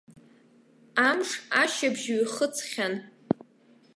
Амш ашьыбжь ҩхыҵхьан.